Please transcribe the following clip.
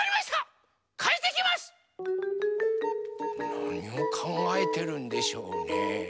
なにをかんがえてるんでしょうね？